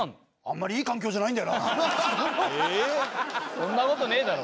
そんな事ねえだろ。